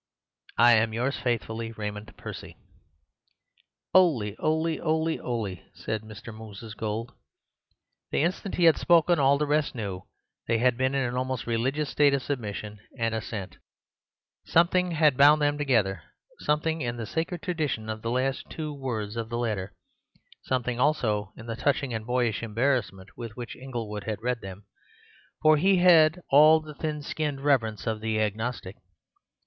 —I am, yours faithfully, "Raymond Percy." "Oh, 'oly, 'oly, 'oly!" said Mr. Moses Gould. The instant he had spoken all the rest knew they had been in an almost religious state of submission and assent. Something had bound them together; something in the sacred tradition of the last two words of the letter; something also in the touching and boyish embarrassment with which Inglewood had read them— for he had all the thin skinned reverence of the agnostic.